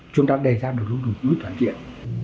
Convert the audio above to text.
chúng ta đề ra được những đồng chí toàn diện